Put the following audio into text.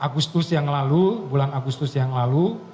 agustus yang lalu bulan agustus yang lalu